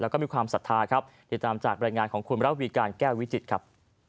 แล้วก็มีความศรัทธาครับติดตามจากบรรยายงานของคุณระวีการแก้ววิจิตรครับ